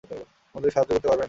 আমাদেরকে সাহায্য করতে পারবেন?